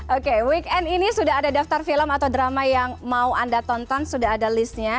oke weekend ini sudah ada daftar film atau drama yang mau anda tonton sudah ada listnya